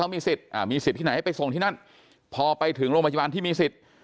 มีสิทธิ์มีสิทธิ์ที่ไหนให้ไปส่งที่นั่นพอไปถึงโรงพยาบาลที่มีสิทธิ์